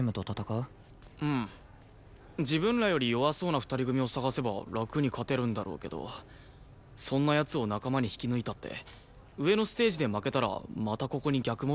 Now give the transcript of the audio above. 自分らより弱そうな２人組を探せば楽に勝てるんだろうけどそんな奴を仲間に引き抜いたって上のステージで負けたらまたここに逆戻りだし。